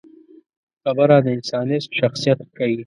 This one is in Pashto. خبره د انسان شخصیت ښيي.